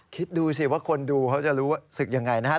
คิดดูสิว่าคนดูเขาจะรู้สึกยังไงนะครับ